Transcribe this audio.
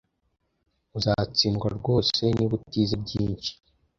Uzatsindwa rwose niba utize byinshi.